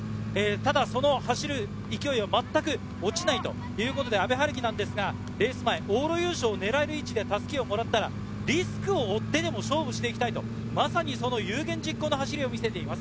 ただその走る勢いは全く落ちないということで、往路優勝を狙える位置で襷をもらったらリスクを負ってでも勝負していきたいと有言実行の走りを見せています。